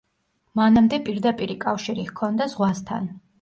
მანამდე პირდაპირი კავშირი ჰქონდა ზღვასთან.